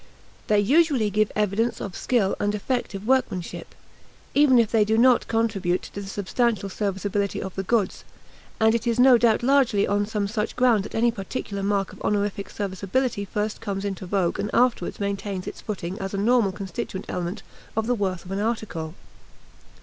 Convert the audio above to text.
They usually give evidence of skill and effective workmanship, even if they do not contribute to the substantial serviceability of the goods; and it is no doubt largely on some such ground that any particular mark of honorific serviceability first comes into vogue and afterward maintains its footing as a normal constituent element of the worth of an article.